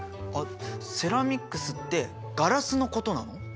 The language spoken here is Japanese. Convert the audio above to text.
セラミックスってガラスのことなの？